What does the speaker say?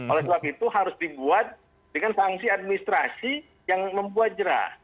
oleh sebab itu harus dibuat dengan sanksi administrasi yang membuat jerah